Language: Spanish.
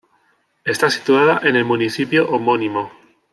Está situada en el municipio homónimo.